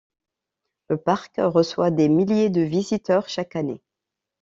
Le parc reçoit des milliers de visiteurs chaque année.